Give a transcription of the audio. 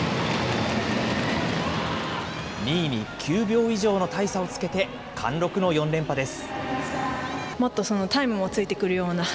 ２位に９秒以上の大差をつけて、かんろくの４連覇です。